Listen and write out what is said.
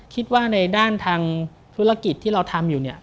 คิดว่าในด้านทางธุรกิจที่เราทำอยู่เนี่ย